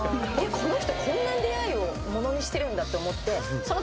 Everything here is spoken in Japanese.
この人こんなに出会いをものにしてるんだって思って。